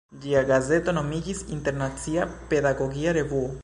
Ĝia gazeto nomiĝis "Internacia Pedagogia Revuo.